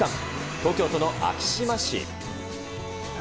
東京都の昭島市。